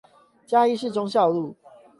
嘉義市忠孝路